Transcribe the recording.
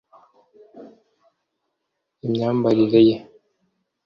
imyambarire ye